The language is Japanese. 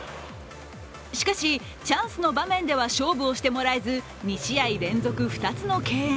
しかし、チャンスの場面では勝負をしてもらえず、２試合連続２つの敬遠。